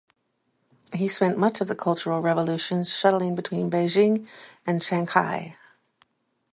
He spent much of the Cultural Revolution shuttling between Beijing and Shanghai.